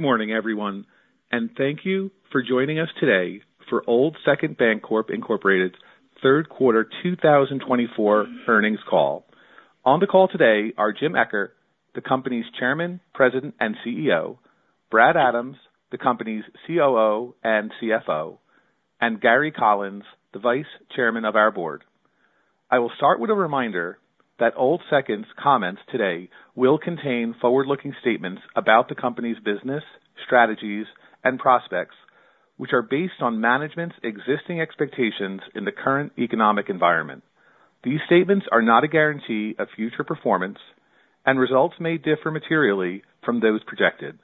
Good morning, everyone, and thank you for joining us today for Old Second Bancorp Incorporated's Third Quarter 2024 earnings call. On the call today are Jim Eccher, the company's Chairman, President, and CEO; Brad Adams, the company's COO and CFO; and Gary Collins, the Vice Chairman of our board. I will start with a reminder that Old Second's comments today will contain forward-looking statements about the company's business, strategies, and prospects, which are based on management's existing expectations in the current economic environment. These statements are not a guarantee of future performance, and results may differ materially from those projected.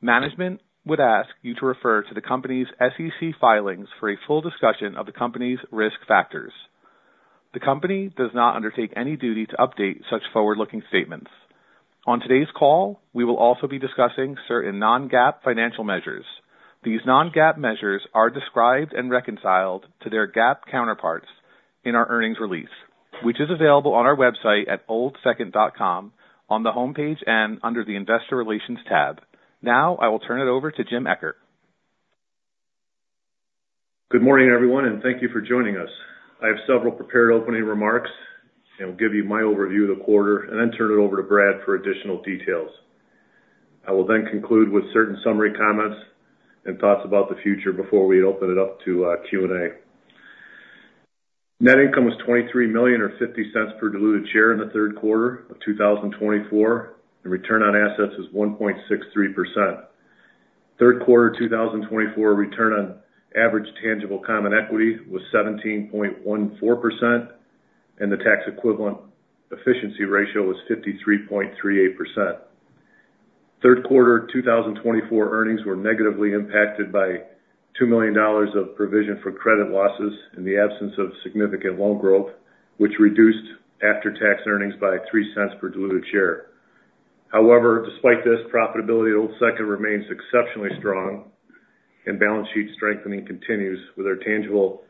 Management would ask you to refer to the company's SEC filings for a full discussion of the company's risk factors. The company does not undertake any duty to update such forward-looking statements. On today's call, we will also be discussing certain non-GAAP financial measures. These non-GAAP measures are described and reconciled to their GAAP counterparts in our earnings release, which is available on our website at oldsecond.com, on the homepage and under the Investor Relations tab. Now, I will turn it over to Jim Eccher. Good morning, everyone, and thank you for joining us. I have several prepared opening remarks, and will give you my overview of the quarter and then turn it over to Brad for additional details. I will then conclude with certain summary comments and thoughts about the future before we open it up to Q&A. Net income was $23 million or $0.50 per diluted share in the third quarter of 2024, and return on assets was 1.63%. Third quarter 2024 return on average tangible common equity was 17.14%, and the tax-equivalent efficiency ratio was 53.38%. Third quarter 2024 earnings were negatively impacted by $2 million of provision for credit losses in the absence of significant loan growth, which reduced after-tax earnings by $0.03 per diluted share. However, despite this, profitability at Old Second remains exceptionally strong and balance sheet strengthening continues, with our tangible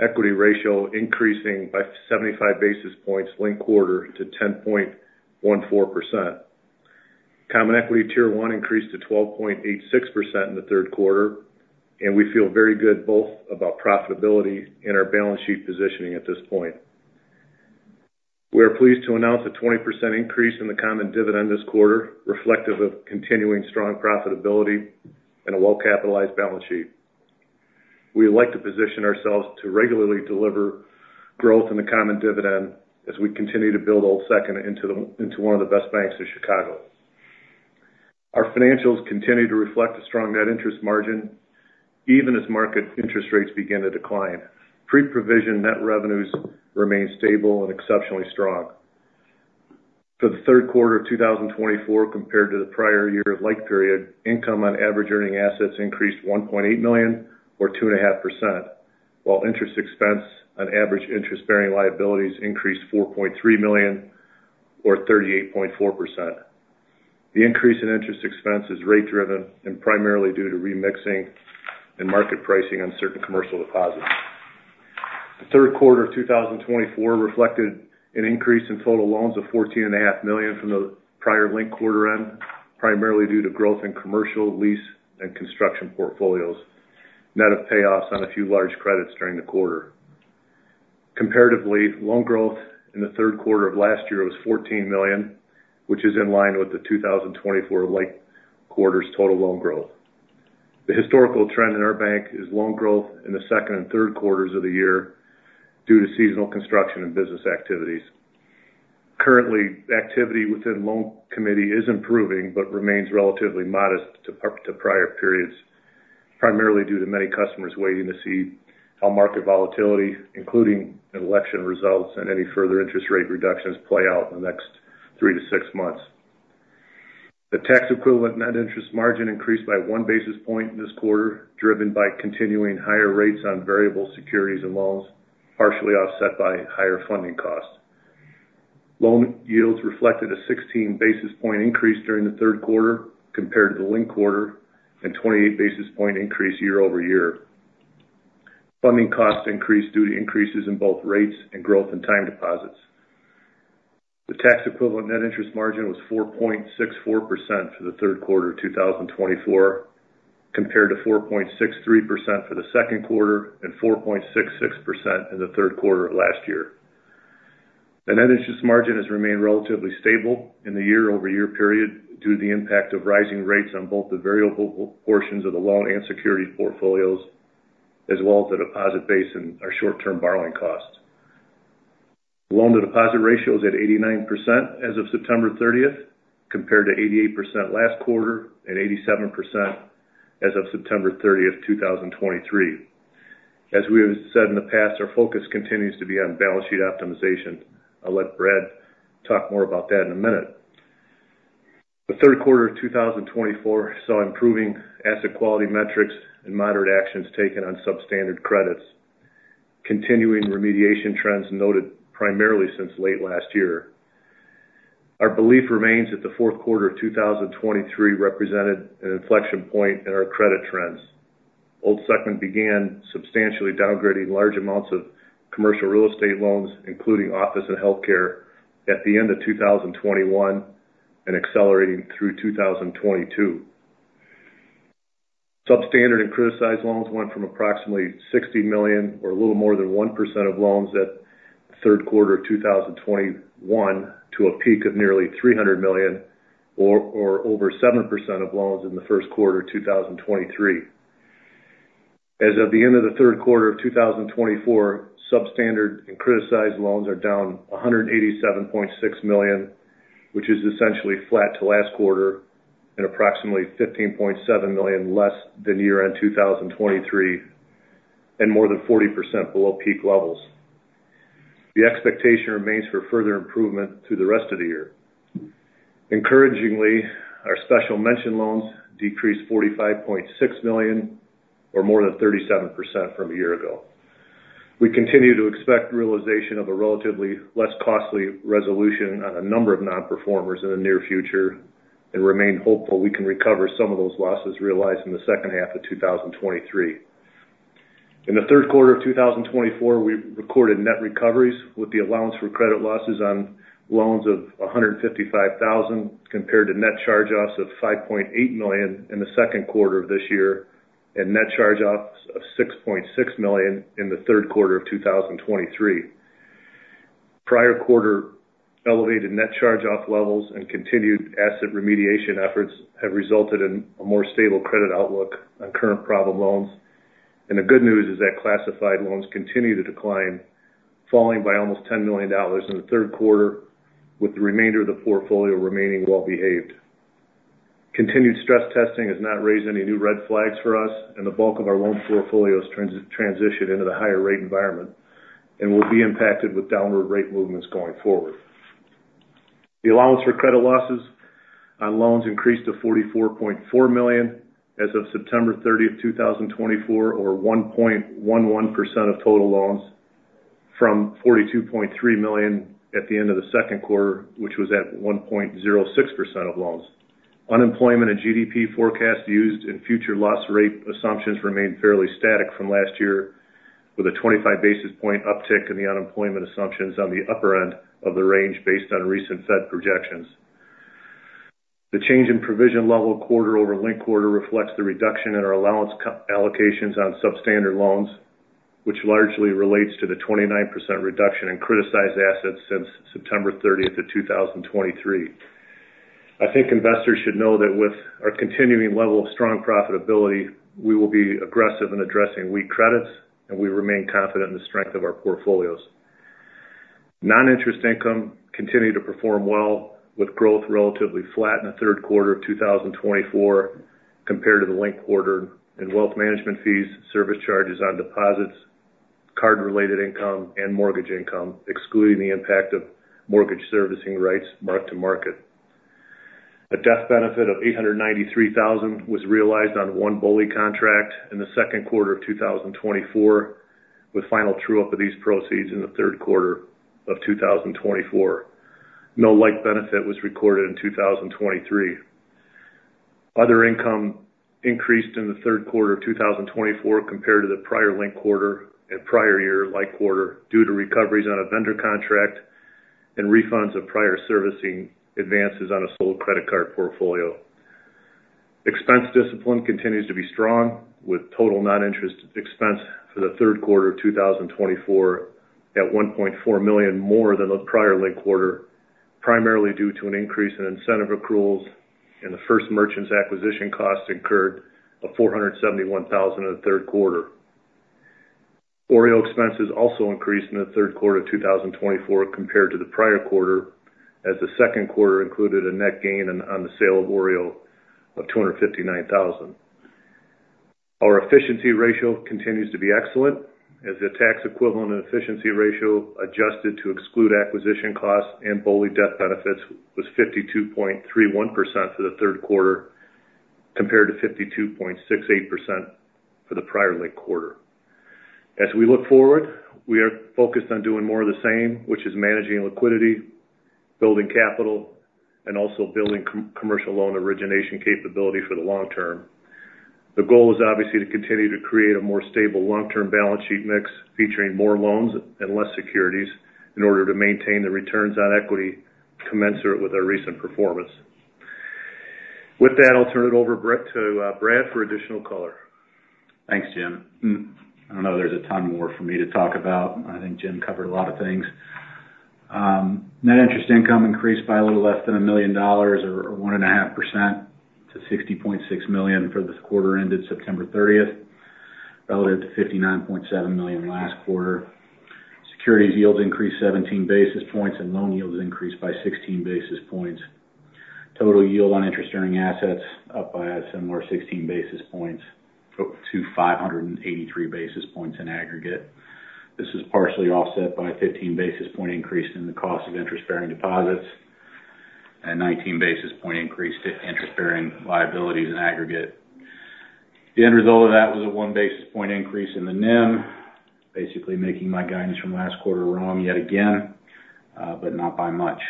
equity ratio increasing by 75 basis points linked quarter to 10.14%. Common Equity Tier 1 increased to 12.86% in the third quarter, and we feel very good both about profitability and our balance sheet positioning at this point. We are pleased to announce a 20% increase in the common dividend this quarter, reflective of continuing strong profitability and a well-capitalized balance sheet. We like to position ourselves to regularly deliver growth in the common dividend as we continue to build Old Second into one of the best banks in Chicago. Our financials continue to reflect a strong net interest margin, even as market interest rates begin to decline. Pre-provision net revenues remain stable and exceptionally strong. For the third quarter of 2024, compared to the prior year like period, income on average earning assets increased $1.8 million or 2.5%, while interest expense on average interest-bearing liabilities increased $4.3 million or 38.4%. The increase in interest expense is rate-driven and primarily due to repricing and market pricing on certain commercial deposits. The third quarter of 2024 reflected an increase in total loans of $14.5 million from the prior linked quarter end, primarily due to growth in commercial, lease, and construction portfolios, net of payoffs on a few large credits during the quarter. Comparatively, loan growth in the third quarter of last year was $14 million, which is in line with the 2024 like quarter's total loan growth. The historical trend in our bank is loan growth in the second and third quarters of the year due to seasonal construction and business activities. Currently, activity within loan committee is improving but remains relatively modest to prior periods, primarily due to many customers waiting to see how market volatility, including election results and any further interest rate reductions, play out in the next three to six months. The tax equivalent net interest margin increased by one basis point this quarter, driven by continuing higher rates on variable securities and loans, partially offset by higher funding costs. Loan yields reflected a sixteen basis point increase during the third quarter compared to the linked quarter and twenty-eight basis point increase year over year. Funding costs increased due to increases in both rates and growth in time deposits. The tax equivalent net interest margin was 4.64% for the third quarter of 2024, compared to 4.63% for the second quarter and 4.66% in the third quarter of last year. The net interest margin has remained relatively stable in the year-over-year period due to the impact of rising rates on both the variable portions of the loan and securities portfolios, as well as the deposit base and our short-term borrowing costs. The loan-to-deposit ratio is at 89% as of September thirtieth, compared to 88% last quarter and 87% as of September thirtieth, 2023. As we have said in the past, our focus continues to be on balance sheet optimization. I'll let Brad talk more about that in a minute. The third quarter of 2024 saw improving asset quality metrics and moderate actions taken on substandard credits, continuing remediation trends noted primarily since late last year. Our belief remains that the fourth quarter of 2023 represented an inflection point in our credit trends... Old Second began substantially downgrading large amounts of commercial real estate loans, including office and healthcare, at the end of 2021 and accelerating through 2022. Substandard and criticized loans went from approximately $60 million, or a little more than 1% of loans at third quarter of 2021, to a peak of nearly $300 million or over 7% of loans in the first quarter of 2023. As of the end of the third quarter of 2024, substandard and criticized loans are down $187.6 million, which is essentially flat to last quarter and approximately $15.7 million less than year-end 2023 and more than 40% below peak levels. The expectation remains for further improvement through the rest of the year. Encouragingly, our special mention loans decreased $45.6 million, or more than 37% from a year ago. We continue to expect realization of a relatively less costly resolution on a number of nonperformers in the near future and remain hopeful we can recover some of those losses realized in the second half of 2023. In the third quarter of 2024, we recorded net recoveries with the allowance for credit losses on loans of $155,000, compared to net charge-offs of $5.8 million in the second quarter of this year, and net charge-offs of $6.6 million in the third quarter of 2023. Prior quarter elevated net charge-off levels and continued asset remediation efforts have resulted in a more stable credit outlook on current problem loans. The good news is that classified loans continue to decline, falling by almost $10 million in the third quarter, with the remainder of the portfolio remaining well behaved. Continued stress testing has not raised any new red flags for us, and the bulk of our loan portfolios transitioned into the higher rate environment and will be impacted with downward rate movements going forward. The allowance for credit losses on loans increased to $44.4 million as of September thirtieth, 2024, or 1.11% of total loans, from $42.3 million at the end of the second quarter, which was at 1.06% of loans. Unemployment and GDP forecast used in future loss rate assumptions remained fairly static from last year, with a 25 basis point uptick in the unemployment assumptions on the upper end of the range based on recent Fed projections. The change in provision level quarter over linked quarter reflects the reduction in our allowance allocations on substandard loans, which largely relates to the 29% reduction in criticized assets since September thirtieth of 2023. I think investors should know that with our continuing level of strong profitability, we will be aggressive in addressing weak credits, and we remain confident in the strength of our portfolios. Non-interest income continued to perform well, with growth relatively flat in the third quarter of 2024 compared to the linked quarter, and wealth management fees, service charges on deposits, card-related income, and mortgage income, excluding the impact of mortgage servicing rights mark-to-market. A death benefit of $893,000 was realized on one BOLI contract in the second quarter of 2024, with final true-up of these proceeds in the third quarter of 2024. No like benefit was recorded in 2023. Other income increased in the third quarter of 2024 compared to the prior linked quarter and prior year like quarter, due to recoveries on a vendor contract and refunds of prior servicing advances on a sold credit card portfolio. Expense discipline continues to be strong, with total non-interest expense for the third quarter of 2024 at $1.4 million, more than the prior linked quarter, primarily due to an increase in incentive accruals and the First Merchants acquisition costs incurred of $471,000 in the third quarter. OREO expenses also increased in the third quarter of 2024 compared to the prior quarter, as the second quarter included a net gain on the sale of OREO of $259,000. Our efficiency ratio continues to be excellent, as the tax equivalent efficiency ratio, adjusted to exclude acquisition costs and BOLI death benefits, was 52.31% for the third quarter, compared to 52.68% for the prior linked quarter. As we look forward, we are focused on doing more of the same, which is managing liquidity, building capital, and also building commercial loan origination capability for the long term. The goal is obviously to continue to create a more stable long-term balance sheet mix, featuring more loans and less securities, in order to maintain the returns on equity commensurate with our recent performance. With that, I'll turn it over to Brad for additional color. Thanks, Jim. I don't know there's a ton more for me to talk about. I think Jim covered a lot of things. Net interest income increased by a little less than a million dollars, or one and a half percent to $60.6 million for this quarter ended September thirtieth, relative to $59.7 million last quarter. Securities yields increased 17 basis points, and loan yields increased by 16 basis points. Total yield on interest-earning assets up by a similar 16 basis points to 583 basis points in aggregate. This is partially offset by a 15 basis point increase in the cost of interest-bearing deposits and 19 basis point increase to interest-bearing liabilities in aggregate. The end result of that was a one basis point increase in the NIM, basically making my guidance from last quarter wrong yet again, but not by much.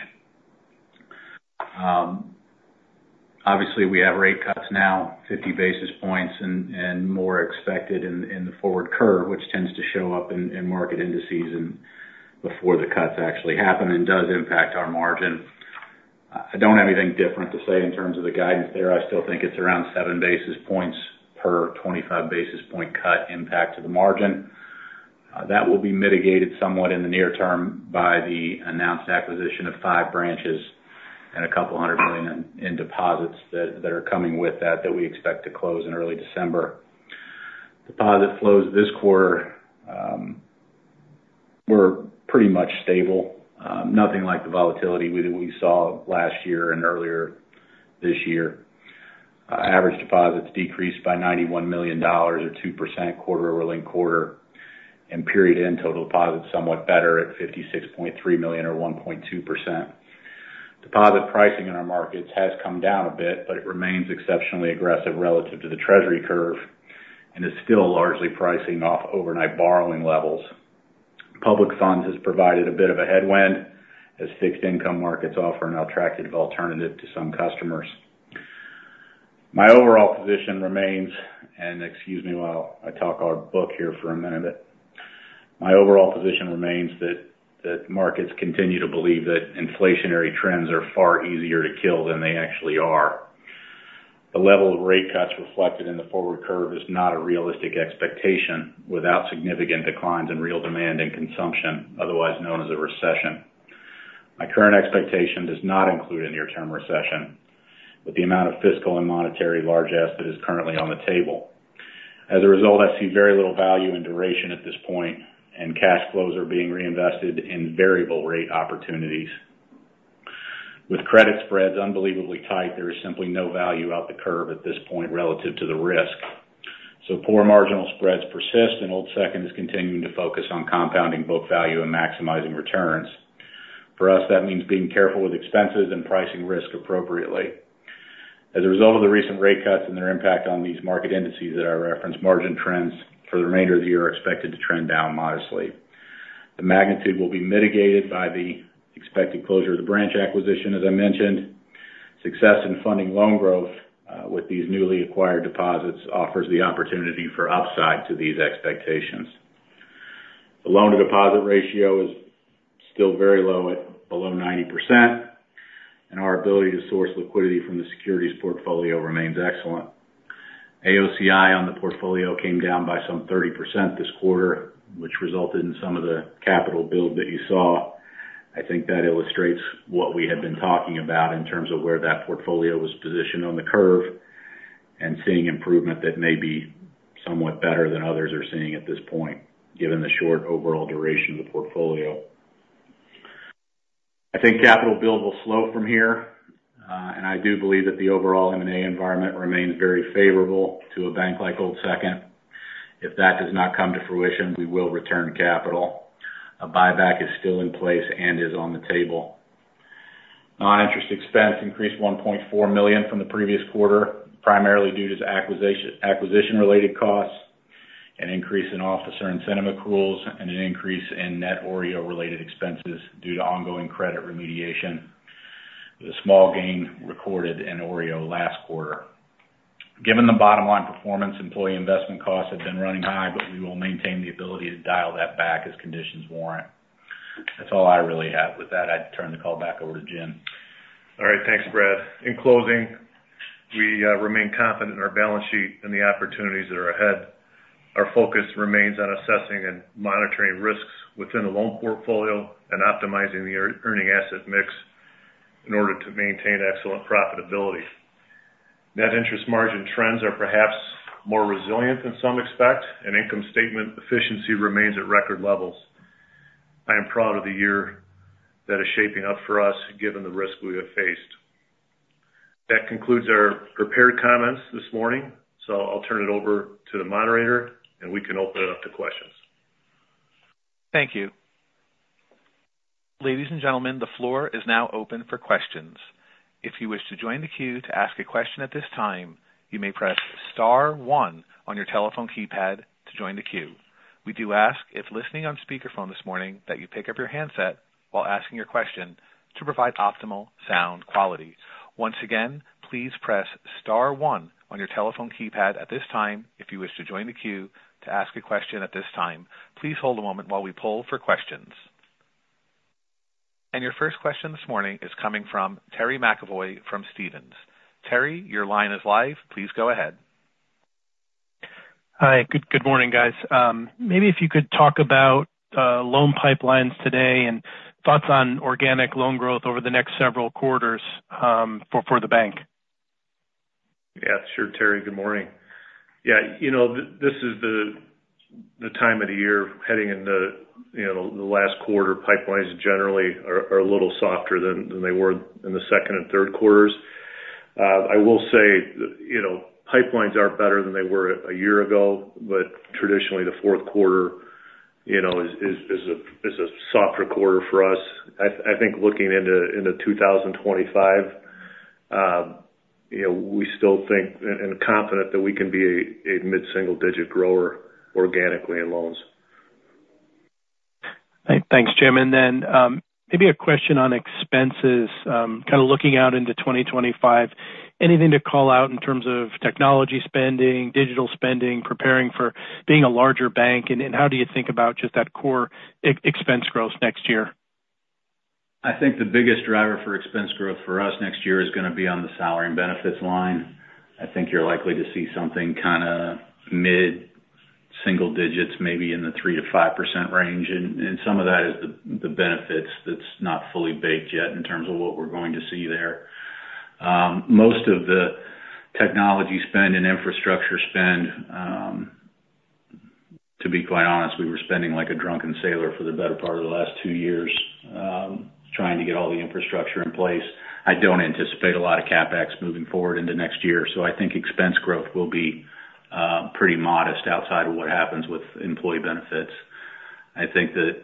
Obviously, we have rate cuts now, 50 basis points and more expected in the forward curve, which tends to show up in market indices and before the cuts actually happen and does impact our margin. I don't have anything different to say in terms of the guidance there. I still think it's around seven basis points per 25 basis point cut impact to the margin. That will be mitigated somewhat in the near term by the announced acquisition of five branches and $200 million in deposits that are coming with that we expect to close in early December. Deposit flows this quarter were pretty much stable. Nothing like the volatility we saw last year and earlier this year. Average deposits decreased by $91 million or 2% quarter over quarter, and period-end total deposits somewhat better at $56.3 million or 1.2%. Deposit pricing in our markets has come down a bit, but it remains exceptionally aggressive relative to the Treasury curve, and is still largely pricing off overnight borrowing levels. Public funds has provided a bit of a headwind, as fixed income markets offer an attractive alternative to some customers. My overall position remains, and excuse me while I talk our book here for a minute. My overall position remains that markets continue to believe that inflationary trends are far easier to kill than they actually are. The level of rate cuts reflected in the forward curve is not a realistic expectation, without significant declines in real demand and consumption, otherwise known as a recession. My current expectation does not include a near-term recession, with the amount of fiscal and monetary stimulus currently on the table. As a result, I see very little value and duration at this point, and cash flows are being reinvested in variable rate opportunities. With credit spreads unbelievably tight, there is simply no value out the curve at this point relative to the risk, so poor marginal spreads persist, and Old Second is continuing to focus on compounding book value and maximizing returns. For us, that means being careful with expenses and pricing risk appropriately. As a result of the recent rate cuts and their impact on these market indices that I referenced, margin trends for the remainder of the year are expected to trend down modestly. The magnitude will be mitigated by the expected closure of the branch acquisition, as I mentioned. Success in funding loan growth, with these newly acquired deposits, offers the opportunity for upside to these expectations. The loan-to-deposit ratio is still very low, at below 90%, and our ability to source liquidity from the securities portfolio remains excellent. AOCI on the portfolio came down by some 30% this quarter, which resulted in some of the capital build that you saw. I think that illustrates what we have been talking about in terms of where that portfolio was positioned on the curve, and seeing improvement that may be somewhat better than others are seeing at this point, given the short overall duration of the portfolio. I think capital build will slow from here, and I do believe that the overall M&A environment remains very favorable to a bank like Old Second. If that does not come to fruition, we will return capital. A buyback is still in place and is on the table. Non-interest expense increased $1.4 million from the previous quarter, primarily due to acquisition, acquisition-related costs, an increase in officer incentive accruals, and an increase in net OREO-related expenses due to ongoing credit remediation. The small gain recorded in OREO last quarter. Given the bottom line performance, employee investment costs have been running high, but we will maintain the ability to dial that back as conditions warrant. That's all I really have. With that, I'd turn the call back over to Jim. All right, thanks, Brad. In closing, we remain confident in our balance sheet and the opportunities that are ahead. Our focus remains on assessing and monitoring risks within the loan portfolio and optimizing the earning asset mix in order to maintain excellent profitability. Net interest margin trends are perhaps more resilient than some expect, and income statement efficiency remains at record levels. I am proud of the year that is shaping up for us, given the risk we have faced. That concludes our prepared comments this morning, so I'll turn it over to the moderator, and we can open it up to questions. Thank you. Ladies and gentlemen, the floor is now open for questions. If you wish to join the queue to ask a question at this time, you may press star one on your telephone keypad to join the queue. We do ask, if listening on speakerphone this morning, that you pick up your handset while asking your question to provide optimal sound quality. Once again, please press star one on your telephone keypad at this time, if you wish to join the queue to ask a question at this time. Please hold a moment while we poll for questions, and your first question this morning is coming from Terry McEvoy from Stephens. Terry, your line is live. Please go ahead. Hi, good morning, guys. Maybe if you could talk about loan pipelines today and thoughts on organic loan growth over the next several quarters, for the bank. Yeah, sure, Terry. Good morning. Yeah, you know, this is the time of the year heading into, you know, the last quarter, pipelines generally are a little softer than they were in the second and third quarters. I will say, you know, pipelines are better than they were a year ago, but traditionally, the fourth quarter, you know, is a softer quarter for us. I think looking into two thousand twenty-five, you know, we still think and confident that we can be a mid-single digit grower organically in loans.... Hey, thanks, Jim. And then, maybe a question on expenses. Kind of looking out into 2025, anything to call out in terms of technology spending, digital spending, preparing for being a larger bank? And how do you think about just that core expense growth next year? I think the biggest driver for expense growth for us next year is gonna be on the salary and benefits line. I think you're likely to see something kind of mid-single digits, maybe in the 3%-5% range. And some of that is the benefits that's not fully baked yet in terms of what we're going to see there. Most of the technology spend and infrastructure spend, to be quite honest, we were spending like a drunken sailor for the better part of the last two years, trying to get all the infrastructure in place. I don't anticipate a lot of CapEx moving forward into next year, so I think expense growth will be pretty modest outside of what happens with employee benefits. I think that,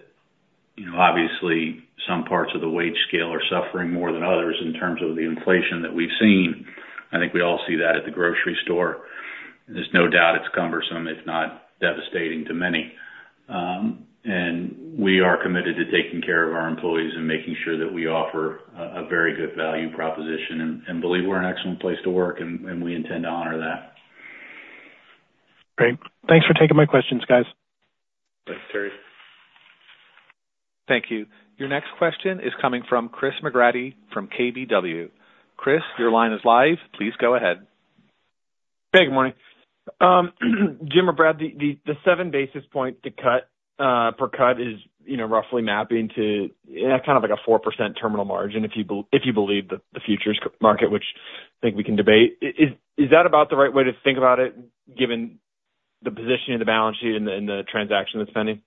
you know, obviously, some parts of the wage scale are suffering more than others in terms of the inflation that we've seen. I think we all see that at the grocery store. There's no doubt it's cumbersome, if not devastating to many. And we are committed to taking care of our employees and making sure that we offer a very good value proposition and believe we're an excellent place to work, and we intend to honor that. Great. Thanks for taking my questions, guys. Thanks, Terry. Thank you. Your next question is coming from Chris McGratty from KBW. Chris, your line is live. Please go ahead. Hey, good morning. Jim or Brad, the seven basis points to cut per cut is, you know, roughly mapping to kind of like a 4% terminal margin, if you believe that the futures market, which I think we can debate. Is that about the right way to think about it, given the position of the balance sheet and the transaction that's pending?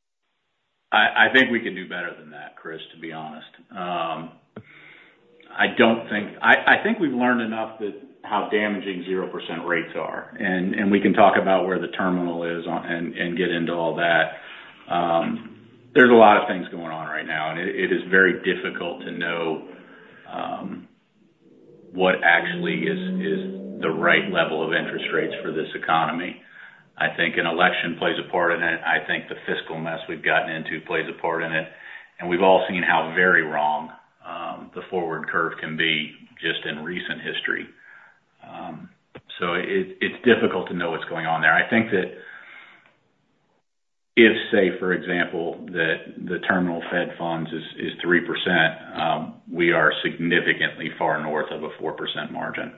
I think we can do better than that, Chris, to be honest. I don't think I think we've learned enough that how damaging 0% rates are, and we can talk about where the terminal is on and get into all that. There's a lot of things going on right now, and it is very difficult to know what actually is the right level of interest rates for this economy. I think an election plays a part in it. I think the fiscal mess we've gotten into plays a part in it. We've all seen how very wrong the forward curve can be just in recent history. So it's difficult to know what's going on there. I think that if, say, for example, that the terminal Fed funds is 3%, we are significantly far north of a 4% margin,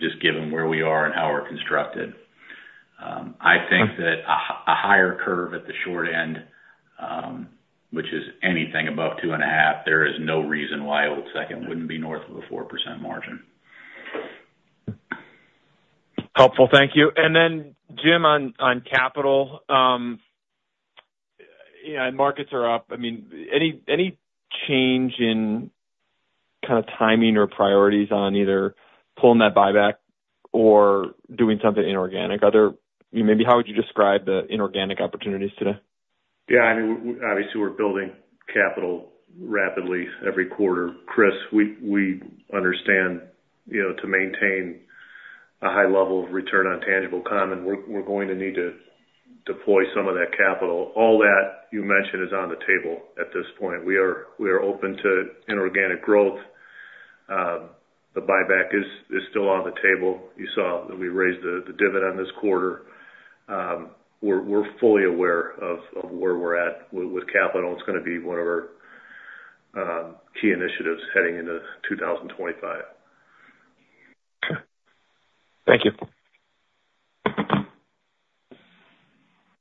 just given where we are and how we're constructed. I think that a higher curve at the short end, which is anything above two and a half, there is no reason why Old Second wouldn't be north of a 4% margin. Helpful, thank you. And then, Jim, on capital, you know, and markets are up, I mean, any change in kind of timing or priorities on either pulling that buyback or doing something inorganic? Are there? Maybe how would you describe the inorganic opportunities today? Yeah, I mean, obviously, we're building capital rapidly every quarter. Chris, we understand, you know, to maintain a high level of return on tangible common, we're going to need to deploy some of that capital. All that you mentioned is on the table at this point. We are open to inorganic growth. The buyback is still on the table. You saw that we raised the dividend this quarter. We're fully aware of where we're at with capital. It's gonna be one of our key initiatives heading into two thousand twenty-five. Thank you.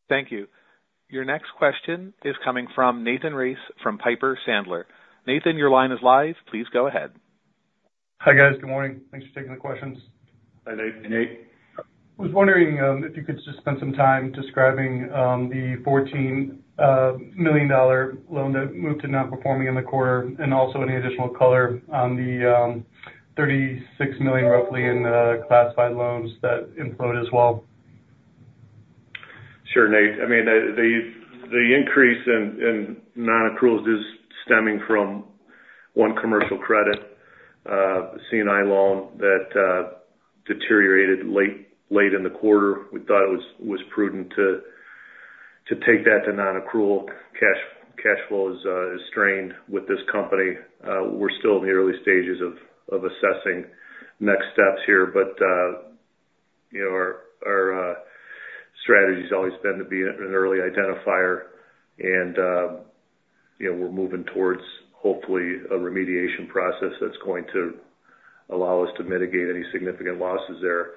Thank you. Your next question is coming from Nathan Race from Piper Sandler. Nathan, your line is live. Please go ahead. Hi, guys. Good morning. Thanks for taking the questions. Hi, Nate. Nate. I was wondering if you could just spend some time describing the $14 million loan that moved to not performing in the quarter, and also any additional color on the $36 million, roughly, in the classified loans that impaired as well. Sure, Nate. I mean, the increase in non-accruals is stemming from one commercial credit, C&I loan that deteriorated late in the quarter. We thought it was prudent to take that to non-accrual. Cash flow is strained with this company. We're still in the early stages of assessing next steps here, but you know, our strategy has always been to be an early identifier and, you know, we're moving towards, hopefully, a remediation process that's going to allow us to mitigate any significant losses there.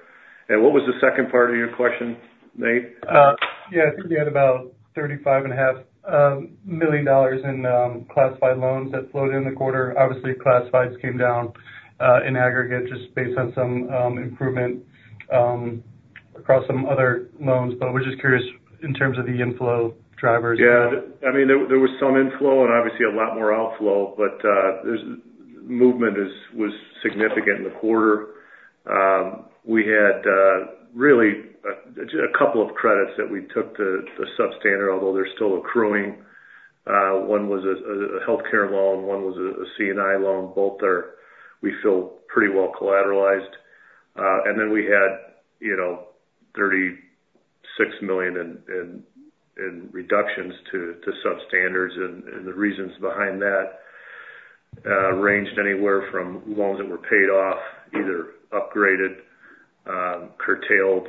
And what was the second part of your question, Nate? Yeah, I think you had about $35.5 million in classified loans that floated in the quarter. Obviously, classifieds came down in aggregate, just based on some improvement across some other loans. But I was just curious in terms of the inflow drivers. Yeah, I mean, there was some inflow and obviously a lot more outflow, but there was significant movement in the quarter. We had a couple of credits that we took to substandard, although they're still accruing. One was a healthcare loan, one was a C&I loan. Both are, we feel, pretty well collateralized. And then we had, you know, $36 million in reductions to substandards, and the reasons behind that ranged anywhere from loans that were paid off, either upgraded, curtailed,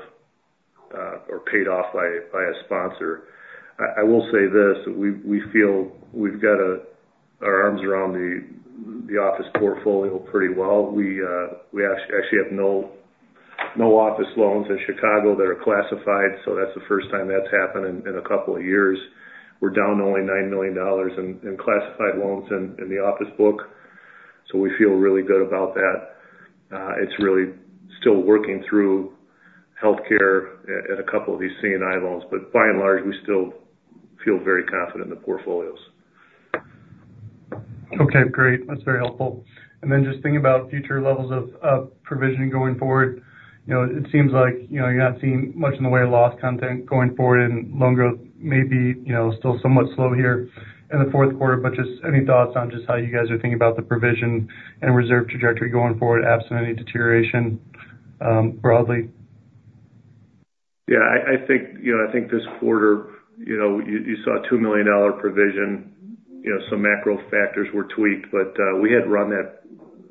or paid off by a sponsor. I will say this, we feel we've got our arms around the office portfolio pretty well. We actually have no office loans in Chicago that are classified, so that's the first time that's happened in a couple of years. We're down only $9 million in classified loans in the office book, so we feel really good about that. It's really still working through healthcare at a couple of these C&I loans. But by and large, we still feel very confident in the portfolios. Okay, great. That's very helpful. And then just thinking about future levels of provisioning going forward, you know, it seems like, you know, you're not seeing much in the way of loss content going forward, and loan growth may be, you know, still somewhat slow here in the fourth quarter. But just any thoughts on just how you guys are thinking about the provision and reserve trajectory going forward, absent any deterioration, broadly? Yeah, I think, you know, I think this quarter, you know, you saw a $2 million provision. You know, some macro factors were tweaked, but we had run that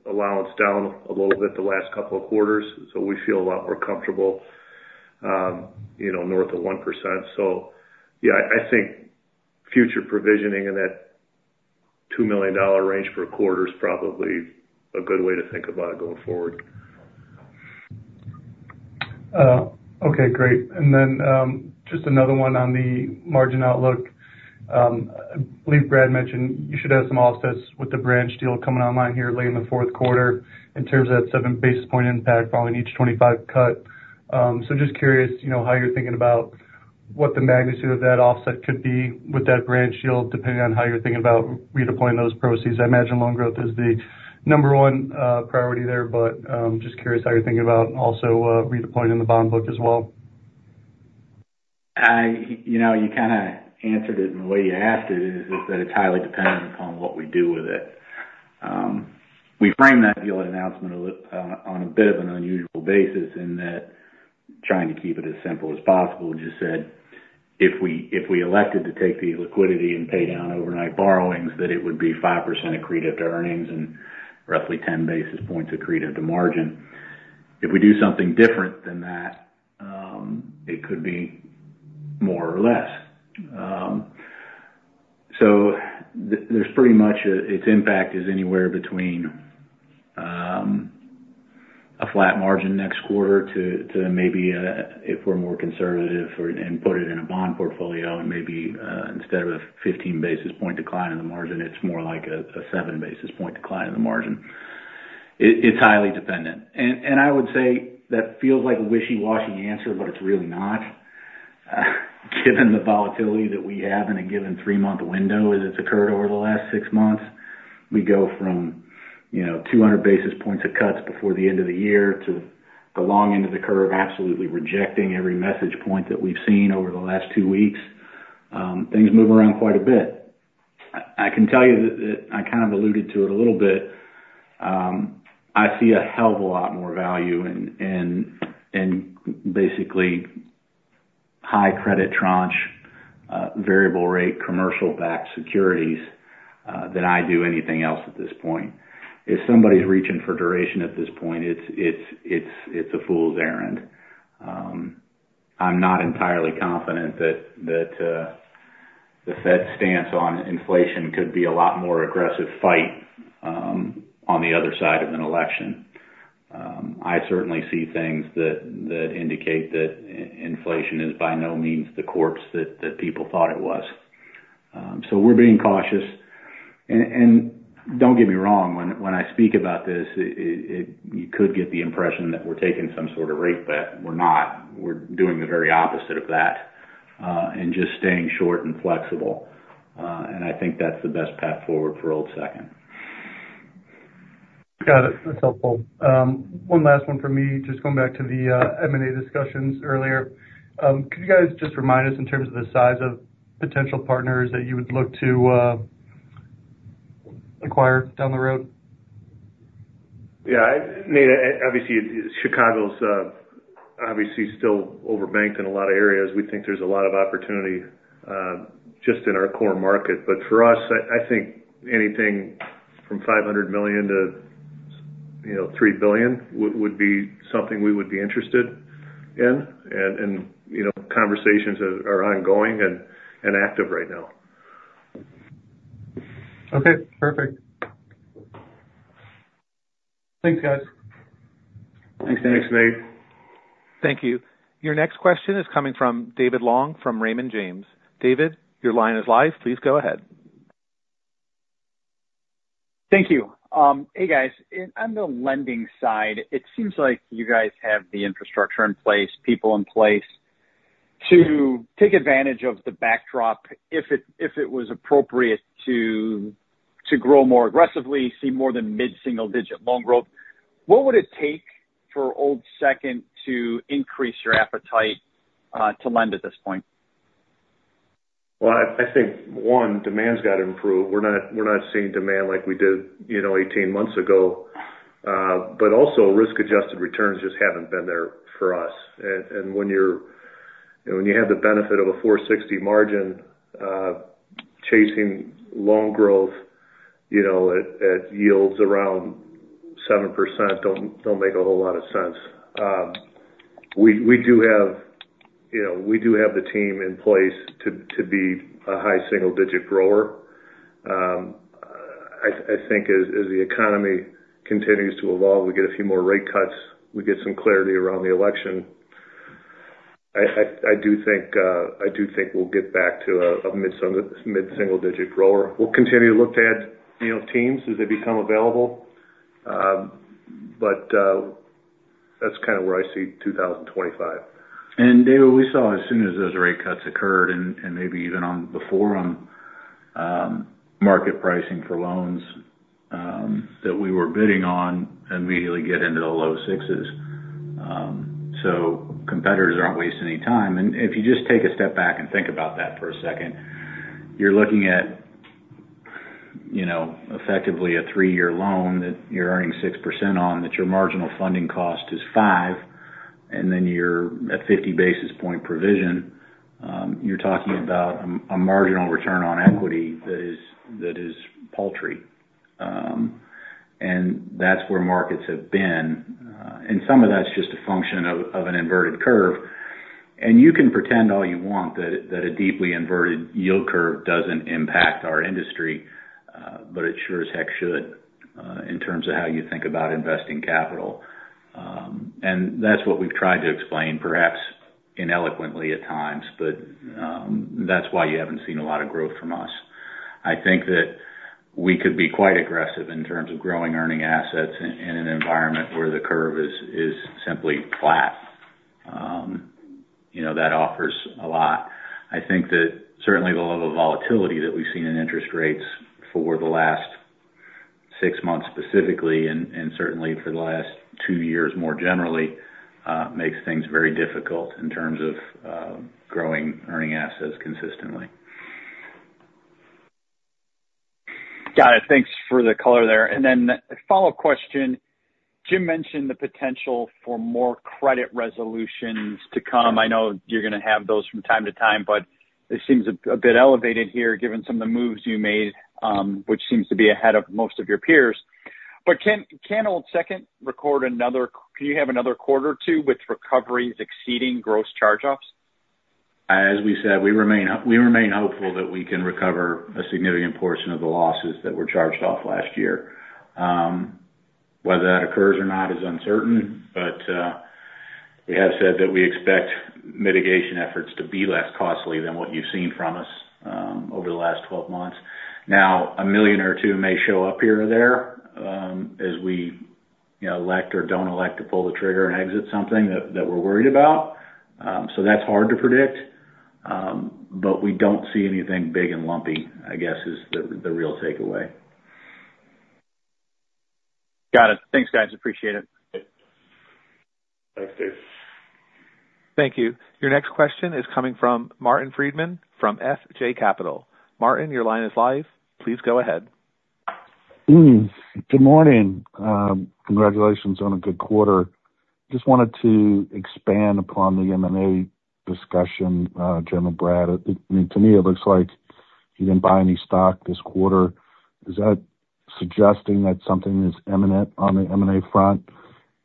allowance down a little bit the last couple of quarters, so we feel a lot more comfortable, you know, north of 1%. So yeah, I think future provisioning in that $2 million range per quarter is probably a good way to think about it going forward. Okay, great. And then, just another one on the margin outlook. I believe Brad mentioned you should have some offsets with the branch deal coming online here late in the fourth quarter, in terms of that seven basis points impact following each 25 cut. So just curious, you know, how you're thinking about what the magnitude of that offset could be with that branch yield, depending on how you're thinking about redeploying those proceeds. I imagine loan growth is the number one priority there, but, just curious how you're thinking about also, redeploying the bond book as well. you know, you kind of answered it in the way you asked it, is that it's highly dependent on what we do with it. We framed that deal announcement a little, on a bit of an unusual basis in that, trying to keep it as simple as possible, just said, if we elected to take the liquidity and pay down overnight borrowings, that it would be 5% accretive to earnings and roughly 10 basis points accretive to margin. If we do something different than that, it could be more or less. So there's pretty much its impact is anywhere between a flat margin next quarter to maybe if we're more conservative and put it in a bond portfolio and maybe instead of a 15 basis point decline in the margin it's more like a 7 basis point decline in the margin. It's highly dependent, and I would say that feels like a wishy-washy answer, but it's really not. Given the volatility that we have in a given three-month window, as it's occurred over the last six months, we go from you know 200 basis points of cuts before the end of the year to the long end of the curve absolutely rejecting every message point that we've seen over the last two weeks. Things move around quite a bit. I can tell you that I kind of alluded to it a little bit. I see a hell of a lot more value in basically high credit tranche, variable rate, commercial-backed securities, than I do anything else at this point. If somebody's reaching for duration at this point, it's a fool's errand. I'm not entirely confident that the Fed's stance on inflation could be a lot more aggressive fight on the other side of an election. I certainly see things that indicate that inflation is by no means the corpse that people thought it was. So we're being cautious. And don't get me wrong, when I speak about this, you could get the impression that we're taking some sort of rate bet, we're not. We're doing the very opposite of that, and just staying short and flexible, and I think that's the best path forward for Old Second. Got it. That's helpful. One last one for me. Just going back to the M&A discussions earlier. Could you guys just remind us, in terms of the size of potential partners that you would look to acquire down the road? Yeah, I mean, obviously, Chicago's obviously still over-banked in a lot of areas. We think there's a lot of opportunity just in our core market, but for us, I think anything from $500 million-$3 billion would be something we would be interested in, and you know, conversations are ongoing and active right now. Okay, perfect. Thanks, guys. Thanks. Thanks, Nate. Thank you. Your next question is coming from David Long, from Raymond James. David, your line is live. Please go ahead. Thank you. Hey, guys. On the lending side, it seems like you guys have the infrastructure in place, people in place to take advantage of the backdrop, if it was appropriate to grow more aggressively, see more than mid-single digit loan growth. What would it take for Old Second to increase your appetite to lend at this point? I think one, demand's got to improve. We're not seeing demand like we did 18 months ago. But also, risk-adjusted returns just haven't been there for us. And when you're, you know, when you have the benefit of a 4.60 margin, chasing loan growth, you know, at yields around 7% don't make a whole lot of sense. We do have the team in place to be a high single digit grower. I think as the economy continues to evolve, we get a few more rate cuts, we get some clarity around the election. I do think we'll get back to a mid-single digit grower. We'll continue to look at, you know, teams as they become available, but that's kind of where I see two thousand and twenty-five. David, we saw as soon as those rate cuts occurred, and maybe even or before them, market pricing for loans that we were bidding on immediately get into the low sixes. So competitors aren't wasting any time. If you just take a step back and think about that for a second, you're looking at, you know, effectively a three-year loan that you're earning 6% on, that your marginal funding cost is five, and then you're at 50 basis point provision. You're talking about a marginal return on equity that is paltry. That's where markets have been. Some of that's just a function of an inverted curve. You can pretend all you want that a deeply inverted yield curve doesn't impact our industry, but it sure as heck should, in terms of how you think about investing capital. And that's what we've tried to explain, perhaps ineloquently at times, but that's why you haven't seen a lot of growth from us. I think that we could be quite aggressive in terms of growing earning assets in an environment where the curve is simply flat. You know, that offers a lot. I think that certainly the level of volatility that we've seen in interest rates for the last six months, specifically, and certainly for the last two years, more generally, makes things very difficult in terms of growing earning assets consistently. Got it. Thanks for the color there. Then a follow-up question. Jim mentioned the potential for more credit resolutions to come. I know you're going to have those from time to time, but it seems a bit elevated here, given some of the moves you made, which seems to be ahead of most of your peers. But can Old Second record another quarter or two with recoveries exceeding gross charge-offs? As we said, we remain hopeful that we can recover a significant portion of the losses that were charged off last year. Whether that occurs or not is uncertain, but we have said that we expect mitigation efforts to be less costly than what you've seen from us over the last 12 months. Now, $1 million or $2 million may show up here or there, as we, you know, elect or don't elect to pull the trigger and exit something that we're worried about, so that's hard to predict, but we don't see anything big and lumpy, I guess, is the real takeaway. Got it. Thanks, guys. Appreciate it. Thanks, Dave. Thank you. Your next question is coming from Martin Friedman from FJ Capital. Martin, your line is live. Please go ahead. Good morning. Congratulations on a good quarter. Just wanted to expand upon the M&A discussion, Jim and Brad. I mean, to me, it looks like you didn't buy any stock this quarter. Is that suggesting that something is imminent on the M&A front?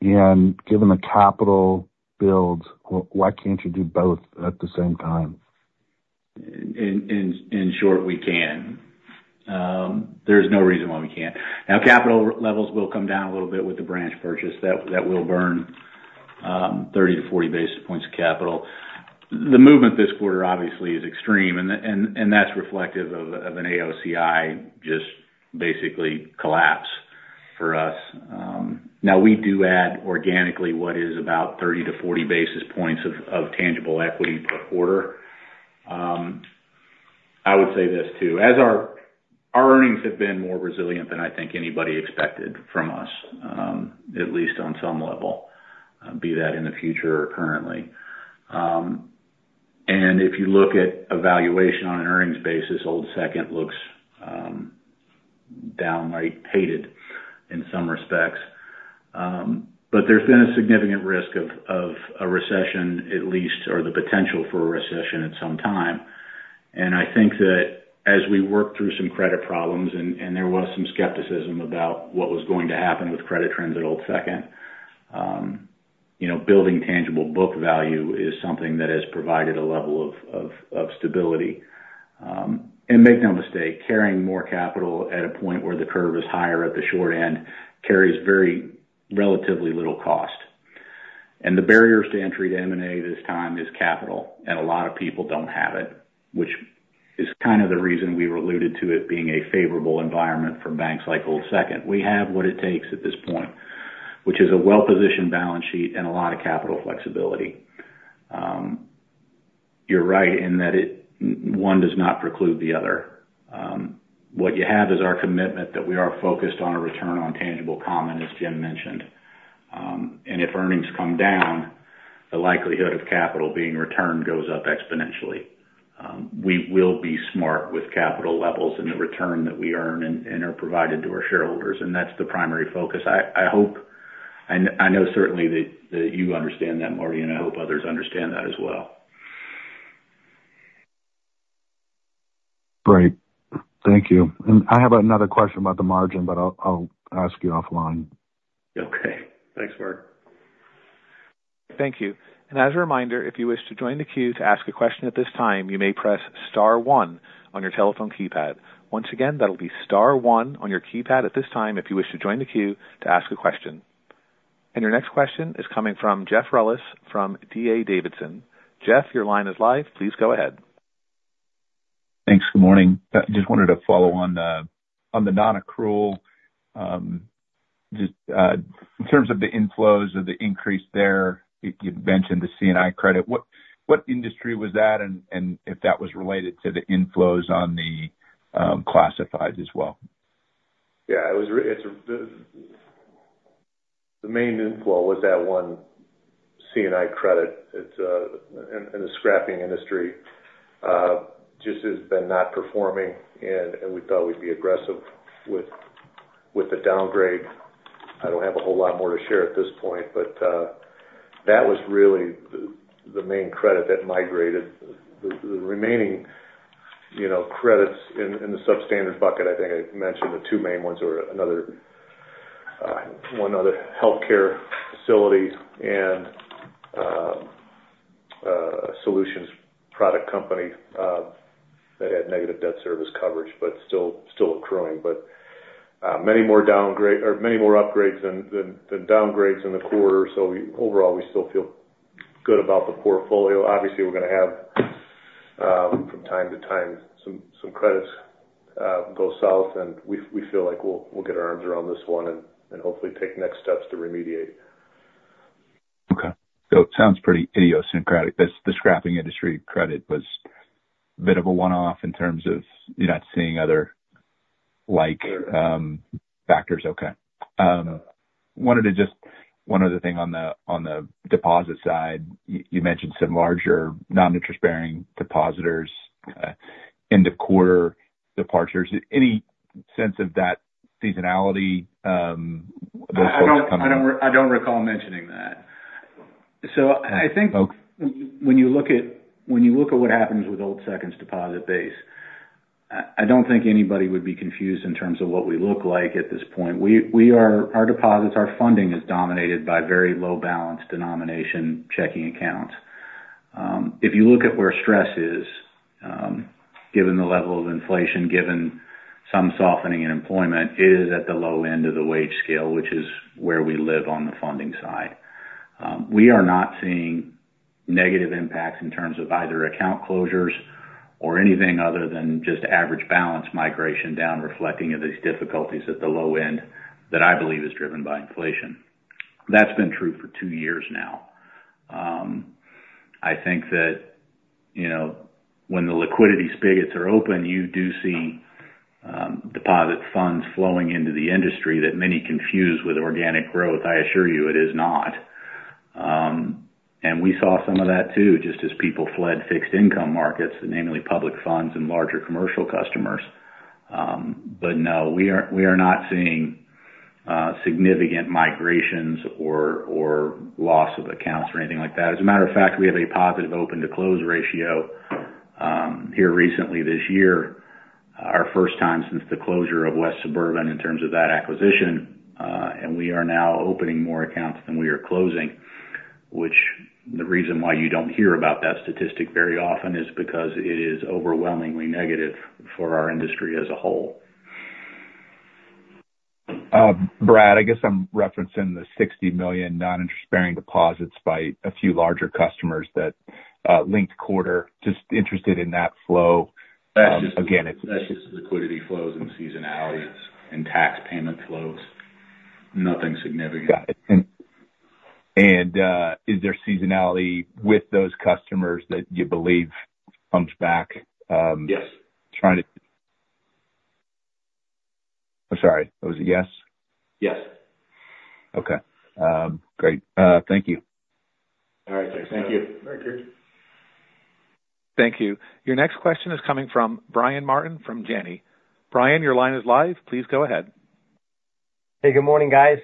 And given the capital build, why can't you do both at the same time? In short, we can. There is no reason why we can't. Now, capital levels will come down a little bit with the branch purchase that will burn 30-40 basis points of capital. The movement this quarter obviously is extreme, and that's reflective of an AOCI just basically collapse for us. Now, we do add organically what is about 30-40 basis points of tangible equity per quarter. I would say this too, as our earnings have been more resilient than I think anybody expected from us, at least on some level, be that in the future or currently. And if you look at valuation on an earnings basis, Old Second looks downright hated in some respects. But there's been a significant risk of a recession at least, or the potential for a recession at some time. And I think that as we work through some credit problems, and there was some skepticism about what was going to happen with credit trends at Old Second, you know, building tangible book value is something that has provided a level of stability. And make no mistake, carrying more capital at a point where the curve is higher at the short end, carries very relatively little cost. And the barriers to entry to M&A this time is capital, and a lot of people don't have it, which is kind of the reason we alluded to it being a favorable environment for banks like Old Second. We have what it takes at this point, which is a well-positioned balance sheet and a lot of capital flexibility. You're right in that it, one does not preclude the other. What you have is our commitment that we are focused on a return on tangible common, as Jim mentioned... and if earnings come down, the likelihood of capital being returned goes up exponentially. We will be smart with capital levels and the return that we earn and are provided to our shareholders, and that's the primary focus. I hope, I know certainly that you understand that, Marty, and I hope others understand that as well. Great. Thank you. And I have another question about the margin, but I'll, I'll ask you offline. Okay. Thanks, Marc. Thank you. And as a reminder, if you wish to join the queue to ask a question at this time, you may press star one on your telephone keypad. Once again, that'll be star one on your keypad at this time, if you wish to join the queue to ask a question. And your next question is coming from Jeff Rulis from D.A. Davidson. Jeff, your line is live. Please go ahead. Thanks. Good morning. Just wanted to follow on the, on the non-accrual, just, in terms of the inflows of the increase there, you, you'd mentioned the C&I credit. What, what industry was that? And, and if that was related to the inflows on the, classifieds as well. Yeah, it was. It's the main inflow was that one C&I credit. It's in the scrapping industry just has been not performing, and we thought we'd be aggressive with the downgrade. I don't have a whole lot more to share at this point, but that was really the main credit that migrated. The remaining, you know, credits in the substandard bucket, I think I mentioned the two main ones were another one other healthcare facility and solutions product company that had negative debt service coverage, but still accruing. But many more upgrades than downgrades in the quarter. So overall, we still feel good about the portfolio. Obviously, we're gonna have from time to time some credits go south, and we feel like we'll get our arms around this one and hopefully take next steps to remediate. Okay. So it sounds pretty idiosyncratic. This, the scrapping industry credit was a bit of a one-off in terms of you're not seeing other like, factors. Sure. Okay. Wanted to just one other thing on the deposit side. You mentioned some larger non-interest bearing depositors, end of quarter departures. Any sense of that seasonality, those folks coming- I don't recall mentioning that. Okay. So I think when you look at what happens with Old Second's deposit base, I don't think anybody would be confused in terms of what we look like at this point. We are. Our deposits, our funding is dominated by very low balance denomination checking accounts. If you look at where stress is, given the level of inflation, given some softening in employment, it is at the low end of the wage scale, which is where we live on the funding side. We are not seeing negative impacts in terms of either account closures or anything other than just average balance migration down, reflecting of these difficulties at the low end, that I believe is driven by inflation. That's been true for two years now. I think that, you know, when the liquidity spigots are open, you do see deposit funds flowing into the industry that many confuse with organic growth. I assure you it is not, and we saw some of that, too, just as people fled fixed income markets, namely public funds and larger commercial customers, but no, we are not seeing significant migrations or loss of accounts or anything like that. As a matter of fact, we have a positive open-to-close ratio here recently this year, our first time since the closure of West Suburban in terms of that acquisition, and we are now opening more accounts than we are closing. Which the reason why you don't hear about that statistic very often is because it is overwhelmingly negative for our industry as a whole. Brad, I guess I'm referencing the $60 million non-interest bearing deposits by a few larger customers that linked quarter. Just interested in that flow. That's just- Again, it's- That's just liquidity flows and seasonality and tax payment flows. Nothing significant. Got it. And, is there seasonality with those customers that you believe comes back? Yes. I'm sorry, it was a yes? Yes. Okay. Great. Thank you. All right, sir. Thank you. All right, great. Thank you. Your next question is coming from Brian Martin, from Janney. Brian, your line is live. Please go ahead. Hey, good morning, guys.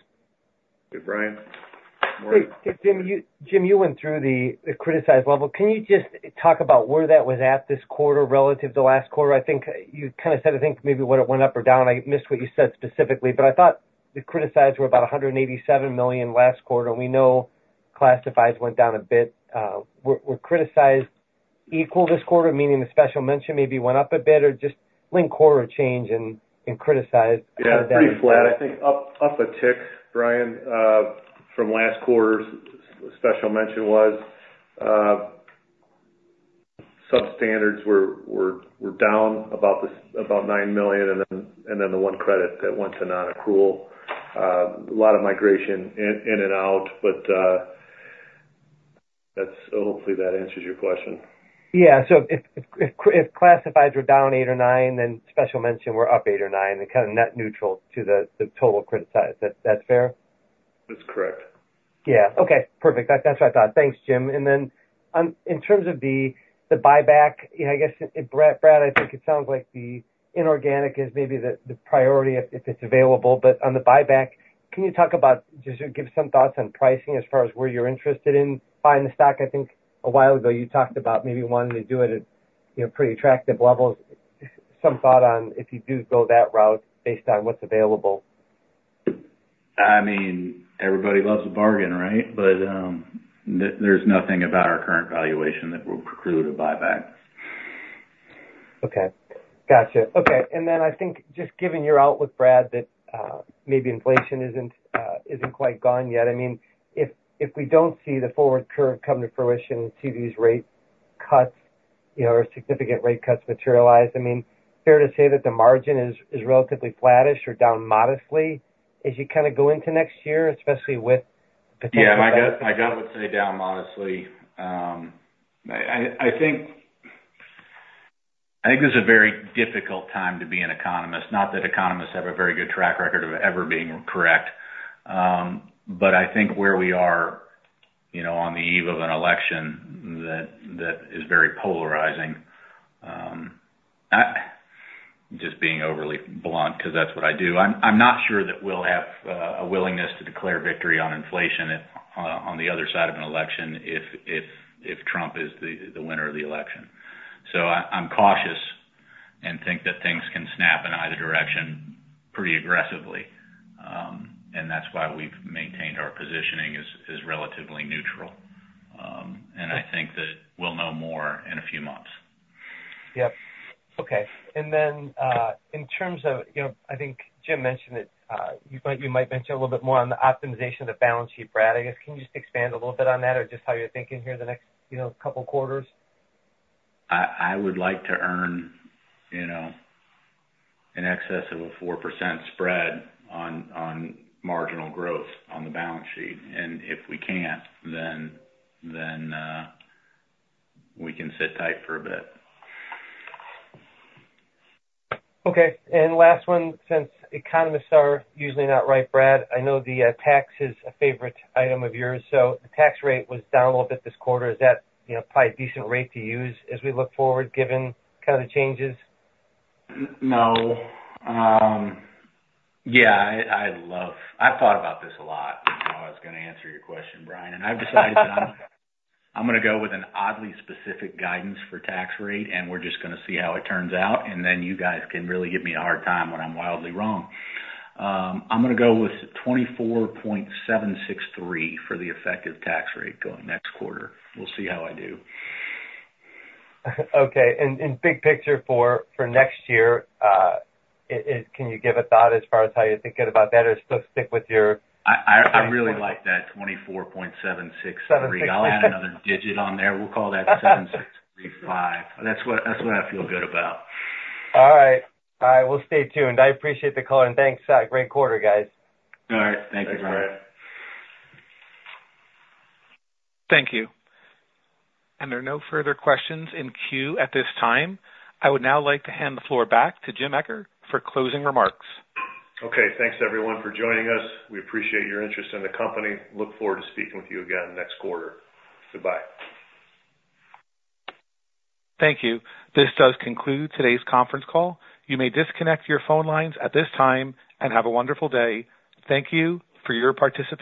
Hey, Brian. Good morning. Hey, Jim, you went through the criticized level. Can you just talk about where that was at this quarter relative to last quarter? I think you kind of said, I think maybe whether it went up or down. I missed what you said specifically, but I thought the criticized were about $187 million last quarter. We know classifieds went down a bit. Were criticized equal this quarter, meaning the special mention maybe went up a bit, or just like quarter change and criticized? Yeah, pretty flat. I think up a tick, Brian, from last quarter's special mention was, substandards were down about nine million, and then the one credit that went to non-accrual. A lot of migration in and out, but that's so hopefully that answers your question. Yeah. So if classifieds were down eight or nine, then special mention were up eight or nine, they're kind of net neutral to the total credit size. That's fair? That's correct. Yeah. Okay, perfect. That, that's what I thought. Thanks, Jim. And then, in terms of the buyback, you know, I guess, Brad, I think it sounds like the inorganic is maybe the priority if it's available. But on the buyback, can you talk about just give some thoughts on pricing as far as where you're interested in buying the stock? I think a while ago, you talked about maybe wanting to do it at, you know, pretty attractive levels. Some thought on if you do go that route based on what's available. I mean, everybody loves a bargain, right? But, there's nothing about our current valuation that will preclude a buyback. Okay. Gotcha. Okay, and then I think just given your outlook, Brad, that, maybe inflation isn't quite gone yet. I mean, if we don't see the forward curve come to fruition to these rate cuts, you know, or significant rate cuts materialize, I mean, fair to say that the margin is relatively flattish or down modestly as you kind of go into next year, especially with potential- Yeah, my gut would say down modestly. I think this is a very difficult time to be an economist. Not that economists have a very good track record of ever being correct, but I think where we are, you know, on the eve of an election that is very polarizing, just being overly blunt, 'cause that's what I do. I'm not sure that we'll have a willingness to declare victory on inflation if, on the other side of an election, if Trump is the winner of the election, so I'm cautious and think that things can snap in either direction pretty aggressively, and that's why we've maintained our positioning as relatively neutral, and I think that we'll know more in a few months. Yep. Okay. And then, in terms of, you know, I think Jim mentioned it, you might, you might mention a little bit more on the optimization of the balance sheet. Brad, I guess, can you just expand a little bit on that or just how you're thinking here in the next, you know, couple quarters? I would like to earn, you know, in excess of a 4% spread on marginal growth on the balance sheet. And if we can't, then we can sit tight for a bit. Okay. And last one, since economists are usually not right, Brad, I know the tax is a favorite item of yours, so the tax rate was down a little bit this quarter. Is that, you know, probably a decent rate to use as we look forward, given kind of the changes? No. Yeah, I love... I've thought about this a lot, how I was gonna answer your question, Brian. I've decided I'm gonna go with an oddly specific guidance for tax rate, and we're just gonna see how it turns out, and then you guys can really give me a hard time when I'm wildly wrong. I'm gonna go with 24.763% for the effective tax rate going next quarter. We'll see how I do. Okay. And big picture for next year, can you give a thought as far as how you're thinking about that, or still stick with your- I really like that 24.763. Seven six three. I'll add another digit on there. We'll call that seven six three five. That's what, that's what I feel good about. All right. I will stay tuned. I appreciate the call and thanks. Great quarter, guys. All right. Thank you, Brian. Thanks, Brad. Thank you, and there are no further questions in queue at this time. I would now like to hand the floor back to Jim Eccher for closing remarks. Okay, thanks everyone for joining us. We appreciate your interest in the company. Look forward to speaking with you again next quarter. Goodbye. Thank you. This does conclude today's conference call. You may disconnect your phone lines at this time, and have a wonderful day. Thank you for your participation.